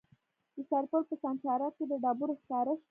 د سرپل په سانچارک کې د ډبرو سکاره شته.